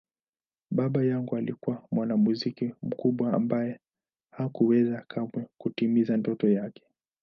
Baba yangu alikuwa mwanamuziki mkubwa ambaye hakuweza kamwe kutimiza ndoto yake.